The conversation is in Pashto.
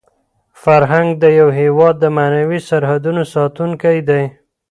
فرهنګ د یو هېواد د معنوي سرحدونو ساتونکی دی.